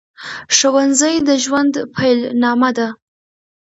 ښوونځي د ژوند پیل نامه ده